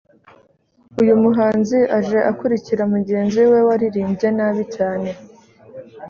uyu muhanzi aje akurikira mugenzi we waririmbye nabi cyane